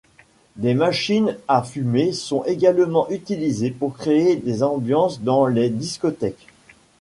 Des machines à fumées sont également utilisées pour créer des ambiances dans les discothèques.